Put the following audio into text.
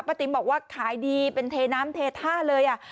ติ๋มบอกว่าขายดีเป็นเทน้ำเทท่าเลย